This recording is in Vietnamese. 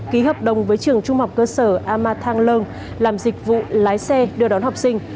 ký hợp đồng với trường trung học cơ sở ama thang lương làm dịch vụ lái xe đưa đón học sinh